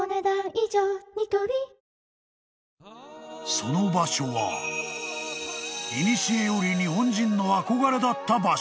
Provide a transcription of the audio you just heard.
［その場所はいにしえより日本人の憧れだった場所］